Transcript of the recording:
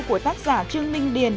của tác giả trương minh điền